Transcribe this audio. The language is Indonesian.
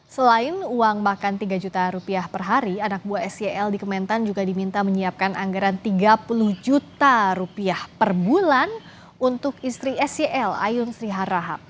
selain uang makan tiga juta rupiah per hari anak buah sel di kementan juga diminta menyiapkan anggaran tiga puluh juta rupiah per bulan untuk istri sel ayun sriharahab